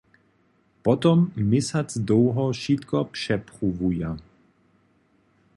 Potom měsac dołho wšitko přepruwuja.